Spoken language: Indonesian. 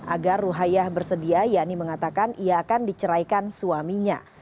agar ruhaya bersedia yani mengatakan ia akan diceraikan suaminya